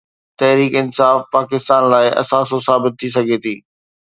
تحريڪ انصاف پاڪستان لاءِ اثاثو ثابت ٿي سگهي ٿي.